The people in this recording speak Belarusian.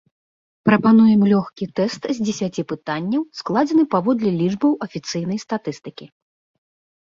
Прапануем лёгкі тэст з дзесяці пытанняў, складзены паводле лічбаў афіцыйнай статыстыкі.